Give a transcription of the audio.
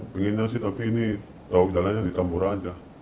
tau jalannya sih tapi ini tau jalannya di tamboraja